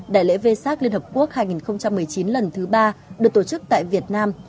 đại lễ vê sát liên hợp quốc hai nghìn một mươi chín lần thứ ba được tổ chức tại việt nam